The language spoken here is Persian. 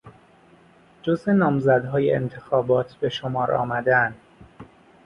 جزو نامزدهای انتخابات به شمار آمدن